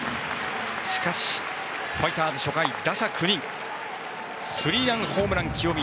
しかし、ファイターズ初回打者９人スリーランホームラン、清宮。